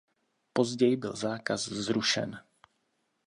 Později byl zákaz zrušen.